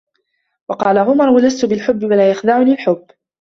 وَقَالَ عُمَرُ لَسْتُ بِالْخِبِّ وَلَا يَخْدَعُنِي الْخِبُّ